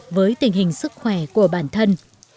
phù hợp với tình hình sức khỏe của bản thân